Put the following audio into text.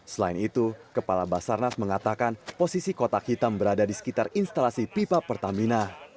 selain itu kepala basarnas mengatakan posisi kotak hitam berada di sekitar instalasi pipa pertamina